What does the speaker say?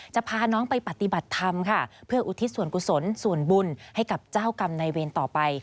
จะพาน้องไปปฏิบัติธรรมค่ะเพื่ออุทิศส่วนกุศลส่วนบุญให้กับเจ้ากรรมในเวรต่อไป